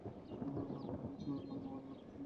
এসময় বাংলা বাজার খুব সমৃদ্ধশালী এলাকা হয়ে ওঠে।